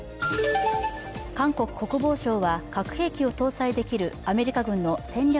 韓国国防省は、核兵器を搭載できるアメリカ軍の戦略